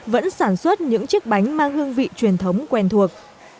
vẫn sản xuất những chiếc bánh mang hương vị truyền thống quen thuộc